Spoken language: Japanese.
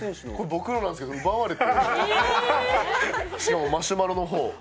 僕のなんですけれども奪われて、しかもマシュマロのほう。